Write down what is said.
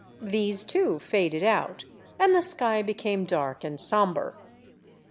These too faded out, and the sky became dark and sombre.